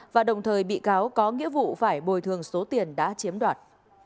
và đồng thời bị cáo có nghĩa vụ phải bồi thường số tiền đã chiếm đoạt